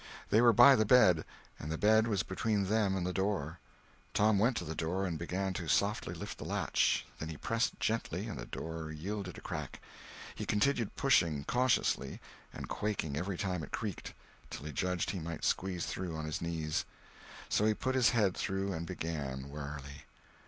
They were by the bed, and the bed was between them and the door. Tom went to the door and began to softly lift the latch; then he pressed gently and the door yielded a crack; he continued pushing cautiously, and quaking every time it creaked, till he judged he might squeeze through on his knees; so he put his head through and began, warily.